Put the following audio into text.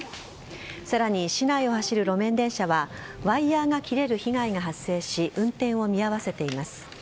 さらに、市内を走る路面電車はワイヤーが切れる被害が発生し運転を見合わせています。